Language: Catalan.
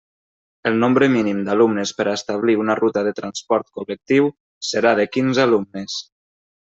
El nombre mínim d'alumnes per a establir una ruta de transport col·lectiu serà de quinze alumnes.